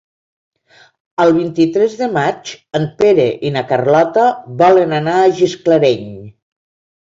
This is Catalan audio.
El vint-i-tres de maig en Pere i na Carlota volen anar a Gisclareny.